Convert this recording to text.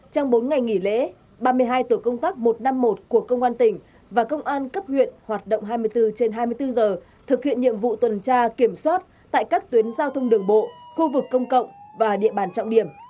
trong bốn ngày nghỉ lễ ba mươi hai tổ công tác một trăm năm mươi một của công an tỉnh và công an cấp huyện hoạt động hai mươi bốn trên hai mươi bốn giờ thực hiện nhiệm vụ tuần tra kiểm soát tại các tuyến giao thông đường bộ khu vực công cộng và địa bàn trọng điểm